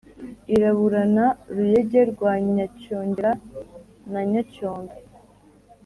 iraburana ruyege rwa nyacyongera na nyacyondo,